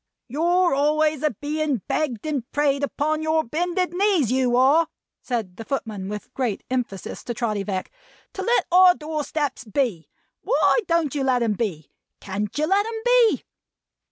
"You're always a being begged, and prayed, upon your bended knees, you are," said the footman with great emphasis to Trotty Veck, "to let our door steps be. Why don't you let 'em be? CAN'T you let 'em be?"